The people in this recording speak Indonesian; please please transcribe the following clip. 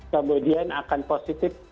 kemudian akan positif